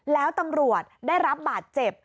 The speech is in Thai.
แล้วตำรวจได้รับบาดเจ็บ